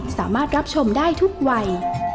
สามารถรับชมได้ทุกวัย